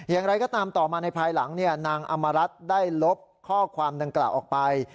อย่างไรก็ตามต่อมาในภายหลังนางอำมารัฐได้ลบข้อความดังกล่าวออกไป